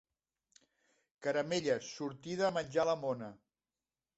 Caramelles, sortida a menjar la mona.